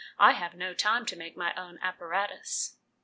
I have no time to make my own apparatus."